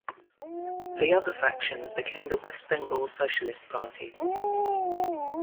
The other faction became the West Bengal Socialist Party.